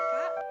mau dimulai kak